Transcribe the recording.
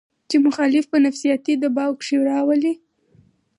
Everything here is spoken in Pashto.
چې مخالف پۀ نفسياتي دباو کښې راولي